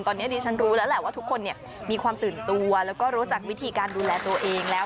ตอนนี้ดิฉันรู้แล้วแหละว่าทุกคนมีความตื่นตัวแล้วก็รู้จักวิธีการดูแลตัวเองแล้ว